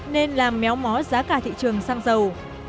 nên làm méo mó giá cả thị trường xăng dầu